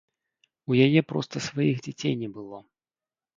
У яе проста сваіх дзяцей не было.